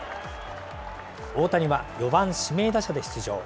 大谷は４番指名打者で出場。